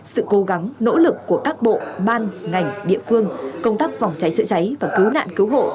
sự cố gắng nỗ lực của các bộ ban ngành địa phương công tác phòng cháy chữa cháy và cứu nạn cứu hộ